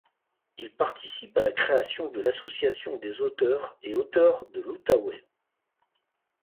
Il participe à la création de l’Association des auteurs et auteures de l’Outaouais.